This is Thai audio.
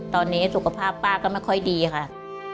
ตอนนี้สุขภาพป้าก็ไม่ค่อยดีค่ะ